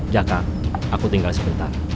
jaka aku tinggal sebentar